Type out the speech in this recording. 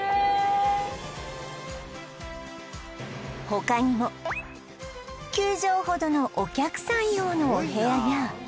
他にも９畳ほどのお客さん用のお部屋や